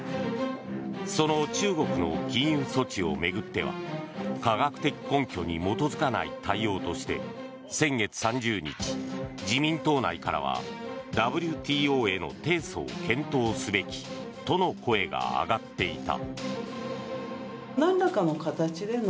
その中国の禁輸措置を巡っては科学的根拠に基づかない対応として先月３０日、自民党内からはＷＴＯへの提訴を検討すべきとの声が上がっていた。